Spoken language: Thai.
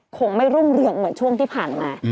คงไม่รุ่งเรืองเหมือนช่วงที่ผ่านมา